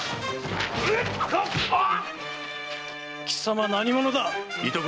貴様何者だ⁉板倉